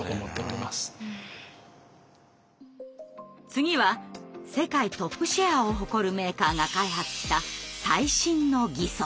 次は世界トップシェアを誇るメーカーが開発した最新の義足。